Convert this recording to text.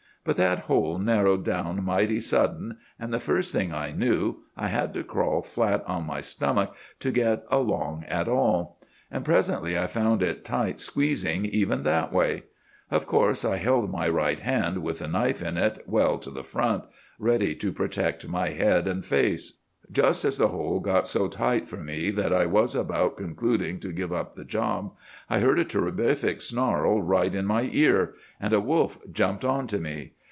But that hole narrowed down mighty sudden, and the first thing I knew, I had to crawl flat on my stomach to get along at all; and presently I found it tight squeezing even that way. Of course I held my right hand, with the knife in it, well to the front, ready to protect my head and face. "'Just as the hole got so tight for me that I was about concluding to give up the job, I heard a terrific snarl right in my ear, and a wolf jumped onto me.